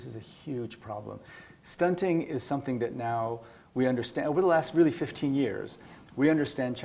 sebelumnya kita pikir anak anak